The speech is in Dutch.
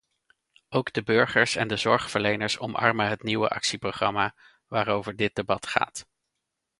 Ook de burgers en de zorgverleners omarmen het nieuwe actieprogramma waarover dit debat gaat.